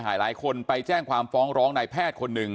อันนี้มันต้องมีเครื่องชีพในกรณีที่มันเกิดเหตุวิกฤตจริงเนี่ย